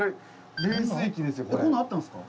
こんなんあったんですか？